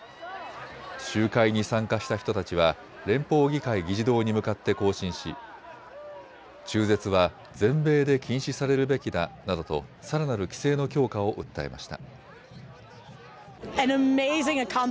集会に参加した人たちは連邦議会議事堂に向かって行進し中絶は全米で禁止されるべきだなどとさらなる規制の強化を訴えました。